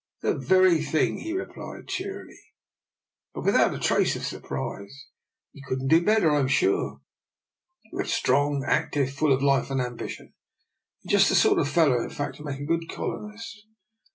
"" The very thing! " he replied cheerily, but without a trace of surprise. " You couldn't do better, I'm sure. You are strong, active, full of life and ambition; just the sort of fellow, in fact, to make a good colonist.